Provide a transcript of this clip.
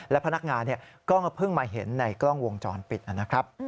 และพนักงานก็เพิ่งมาเห็นในกล้องวงจรปิดนะครับ